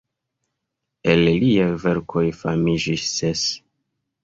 El liaj verkoj famiĝis ses.